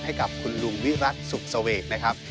ให้กับคุณลุงวิรัติสุขเสวกนะครับ